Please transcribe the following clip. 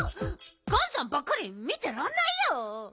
ガンさんばっかり見てらんないよ。